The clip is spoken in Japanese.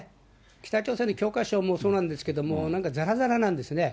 北朝鮮の教科書もそうなんですけれども、なんかざらざらなんですね。